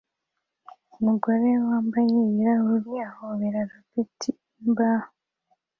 Umugore wambaye ibirahure ahobera robot yimbaho